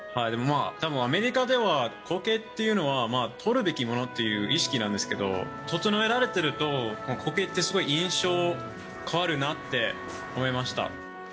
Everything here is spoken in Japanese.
アメリカでは、コケっていうのは、取るべきものっていう意識なんですけど、整えられていると、コケってすごい印象変わるなって思いました。